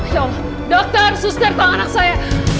ya allah dokter suster tolong anak saya